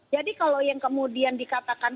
jadi kalau yang kemudian dikatakan